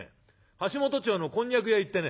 橋本町のこんにゃく屋へ行ってね